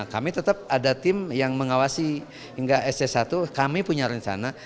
kami tetap ada tim yang mengawasi hingga sc satu kami punya rencana